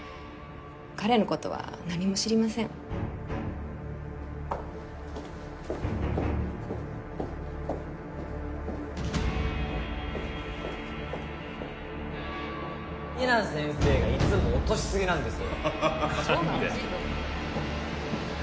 彼のことは何も知りません比奈先生がいつも落としすぎなんですよ